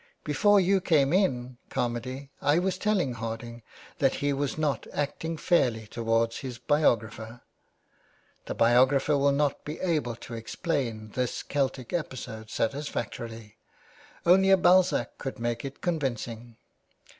Before you came in, Carmady, I was telling Harding 418 THE WAY BACK. that he was not acting fairly towards his biographer. The biographer will not be able to explain this Celtic episode satisfactorily. Only a Balzac could make it convincing."